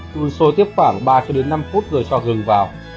đun sôi tiếp khoảng ba năm phút rồi cho gừng vào